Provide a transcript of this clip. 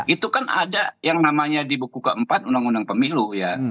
itu kan ada yang namanya di buku keempat undang undang pemilu ya